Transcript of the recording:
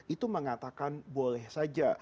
itu mengatakan boleh saja